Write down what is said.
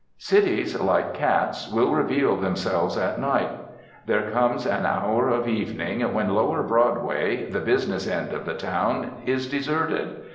Cities, like cats, will reveal themselves at night. There comes an hour of evening when lower Broadway, the business end of the town, is deserted.